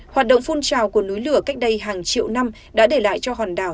hoạt động phun trào của núi lửa cách đây hàng triệu năm đã để lại cho hòn đảo